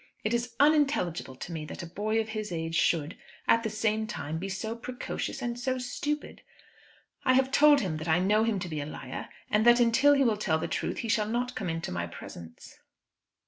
It is unintelligible to me that a boy of his age should, at the same time, be so precocious and so stupid. I have told him that I know him to be a liar, and that until he will tell the truth he shall not come into my presence."